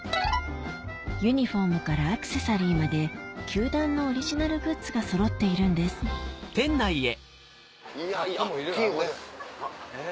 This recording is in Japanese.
ユニフォームからアクセサリーまで球団のオリジナルグッズがそろっているんですあっ